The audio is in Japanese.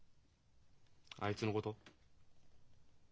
あいつのこと？